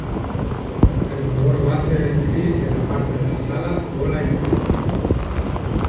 El color base es gris en la parte de las alas, cola y cabeza.